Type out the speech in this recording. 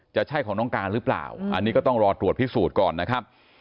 จะใช่ของน้องการหรือเปล่าอันนี้ก็ต้องรอตรวจพิสูจน์ก่อนนะครับ